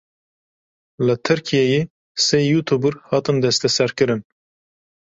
Li Tirkiyeyê sê youtuber hatin desteserkirin.